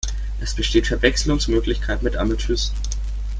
Es besteht Verwechslungsmöglichkeit mit Amethyst.